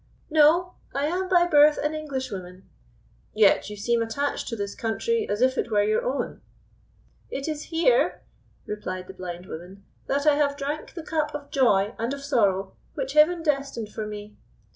"No; I am by birth an Englishwoman." "Yet you seem attached to this country as if it were your own." "It is here," replied the blind woman, "that I have drank the cup of joy and of sorrow which Heaven destined for me.